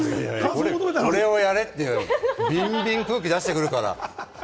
これをやれって、ビンビン空気出してくるから。